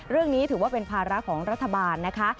เรื่องนี้ถือว่าเป็นภาระของรัฐบาลนะคะ